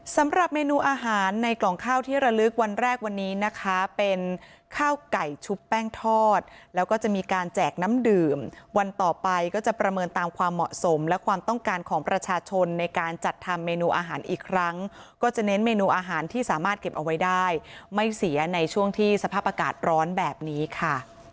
สำหรับเมนูอาหารในกล่องข้าวที่ระลึกวันแรกวันนี้นะคะเป็นข้าวไก่ชุบแป้งทอดแล้วก็จะมีการแจกน้ำดื่มวันต่อไปก็จะประเมินตามความเหมาะสมและความต้องการของประชาชนในการจัดทำเมนูอาหารอีกครั้งก็จะเน้นเมนูอาหารที่สามารถเก็บเอาไว้ได้ไม่เสียในช่วงที่สภาพอากาศร้อนแบบนี้ค่ะ